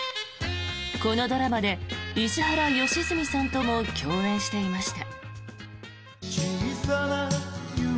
このドラマで石原良純さんとも共演していました。